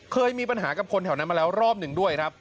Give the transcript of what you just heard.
เคยมีปัญหากับคนแถวนั้นมาแล้วรอบหนึ่งด้วยครับ